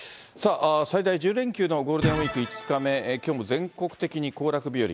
最大１０連休のゴールデンウィーク５日目、きょうも全国的に行楽日和。